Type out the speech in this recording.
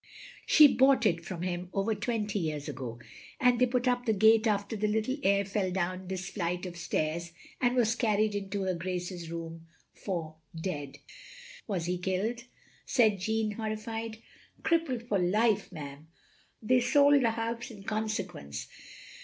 She bought it from him over twenty years ago; and they put up the gate after the little heir fell down this flight of stairs, and OP GROSVENOR SQUARE 83 was carried into her Grace's room — ^for dead. " "Was he killed?" said Jeanne, horrified. "Crippled for life, ma'am. They sold the house in consequence.